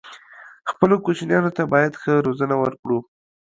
خپلو کوچنيانو ته بايد ښه روزنه ورکړو